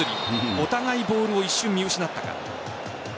お互いボールを一瞬見失ったか。